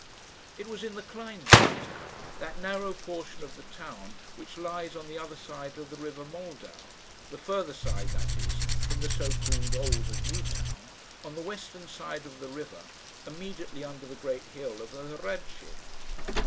It was in the Kleinseite, that narrow portion of the town, which lies on the other side of the river Moldau the further side, that is, from the so called Old and New Town, on the western side of the river, immediately under the great hill of the Hradschin.